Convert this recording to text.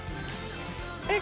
えっ？